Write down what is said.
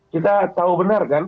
kita tahu benar kan